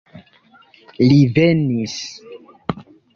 Li venis.